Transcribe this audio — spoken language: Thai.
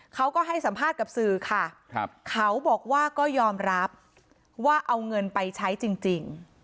เขาก็ให้สัมภาษณ์กับสื่อค่ะเขาบอกว่าก็ยอมรับว่าเอาเงินไปใช้จริง